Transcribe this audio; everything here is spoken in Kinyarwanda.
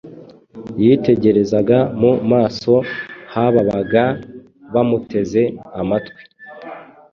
Yitegerezaga mu maso h’ababaga bamuteze amatwi,